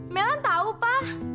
mellan tahu pa